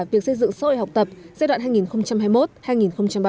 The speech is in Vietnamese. việc xây dựng xã hội học tập giai đoạn hai nghìn hai mươi một hai nghìn ba mươi